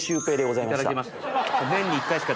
いただきました。